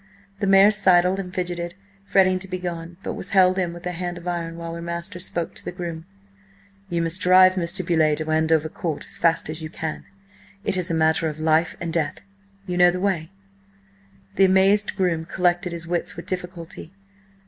The mare sidled and fidgeted, fretting to be gone, but was held in with a hand of iron while her master spoke to the groom. "You must drive Mr. Beauleigh to Andover Court as fast as you can. It is a matter of life and death. You know the way?" The amazed groom collected his wits with difficulty.